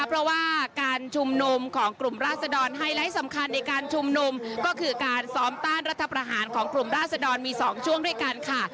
เพราะว่าการชุมนุมของกลุ่มราศดรไฮไลท์สำคัญในการชุมนุมก็คือการซ้อมต้านรัฐประหารของกลุ่มราศดรมี๒ช่วงด้วยกันค่ะ